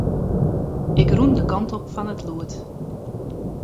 Ik rûn de kant op fan it lûd.